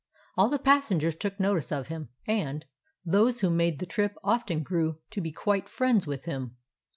"All the passengers took notice of him, and those who made the trip often grew to be quite friends with him.